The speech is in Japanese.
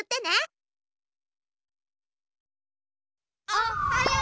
おっはよう！